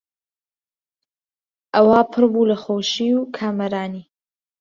ئەوا پڕ بوو لە خۆشی و کامەرانی